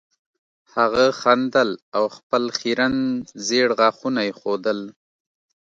هغه خندل او خپل خیرن زیړ غاښونه یې ښودل